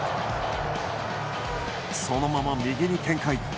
そのまま右に展開。